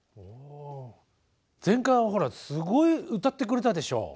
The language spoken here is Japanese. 前回はほらすごい歌ってくれたでしょう。